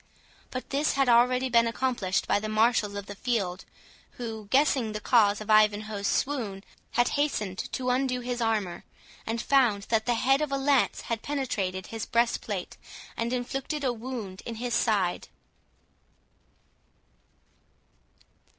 But this had been already accomplished by the marshals of the field, who, guessing the cause of Ivanhoe's swoon, had hastened to undo his armour, and found that the head of a lance had penetrated his breastplate, and inflicted a wound in his side.